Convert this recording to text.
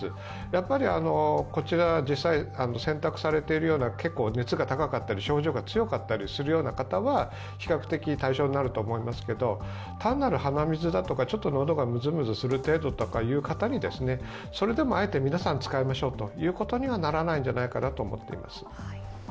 やはりこちら実際、選択されているような熱が高かったり症状が強かったりする方は比較的対象になると思いますけれども、単なる鼻水だとか、喉がむずむずするという方にそれでもあえて皆さん、使いましょうということにはならないのではないかなと思っています。